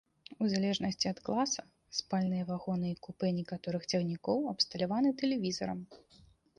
У залежнасці ад класа спальныя вагоны і купэ некаторых цягнікоў абсталяваны тэлевізарам.